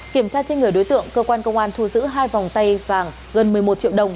kiểm tra trên người đối tượng cơ quan công an thu giữ hai vòng tay vàng gần một mươi một triệu đồng